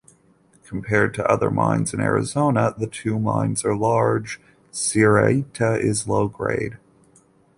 Compared to other mines in Arizona the two mines are large; Sierrita is low-grade.